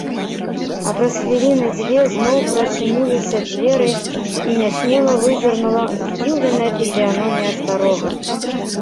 А праз хвіліны дзве зноў прачыніліся дзверы і нясмела вызірнула здзіўленая фізіяномія старога.